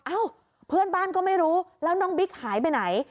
เอ้าเพื่อนบ้านก็ไม่รู้แล้วน้องบิ๊กหายไปไหน